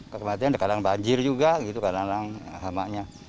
kekmatian ada kadang banjir juga gitu kadang kadang hamaknya